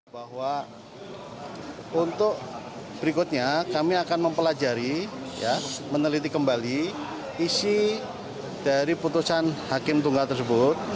bahwa untuk berikutnya kami akan mempelajari meneliti kembali isi dari putusan hakim tunggal tersebut